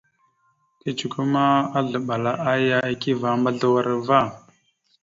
Kecəkwe ma, azləɓal aya ekeve a mbazləwar va.